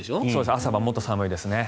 朝晩もっと寒いですね。